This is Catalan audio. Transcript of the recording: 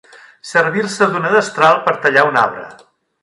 Servir-se d'una destral per a tallar un arbre.